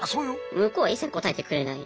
向こうは一切応えてくれない。